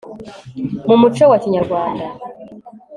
mu muco wa kinyarwanda